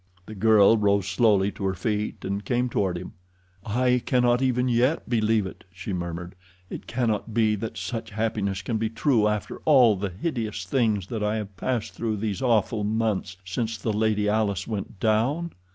The girl rose slowly to her feet and came toward him. "I cannot even yet believe it," she murmured. "It cannot be that such happiness can be true after all the hideous things that I have passed through these awful months since the Lady Alice went down."